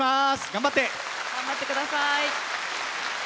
頑張ってください。